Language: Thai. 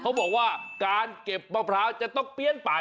เขาบอกว่าการเก็บมะพร้าวจะต้องเปลี่ยนไป